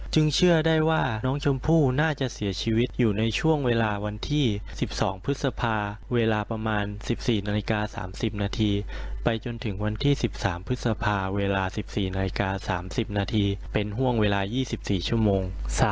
เชื่อได้ว่าน้องชมพู่น่าจะเสียชีวิตอยู่ในช่วงเวลาวันที่๑๒พฤษภาเวลาประมาณ๑๔นาฬิกา๓๐นาทีไปจนถึงวันที่๑๓พฤษภาเวลา๑๔นาฬิกา๓๐นาทีเป็นห่วงเวลา๒๔ชั่วโมง